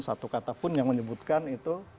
satu kata pun yang menyebutkan itu